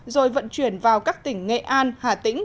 rồi vận chuyển vào các tỉnh nghệ an hà tĩnh